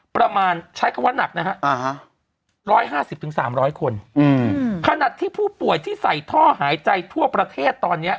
ประมาณใช้คำว่าหนักนะฮะ๑๕๐๓๐๐คนขนาดที่ผู้ป่วยที่ใส่ท่อหายใจทั่วประเทศตอนนี้